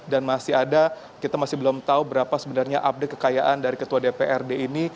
dan kita masih belum tahu berapa sebenarnya update kekayaan dari ketua dprd ini